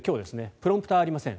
プロンプターはありません。